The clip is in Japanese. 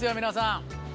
皆さん。